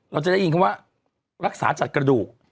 เราจะได้ยินคำว่ารักษาจัดกระดูก